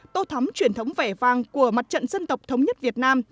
tô thắm truyền thống vẻ vàng của mặt trận dân tộc thống nhất việt nam